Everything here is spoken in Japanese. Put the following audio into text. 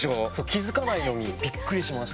気付かないのにビックリしました。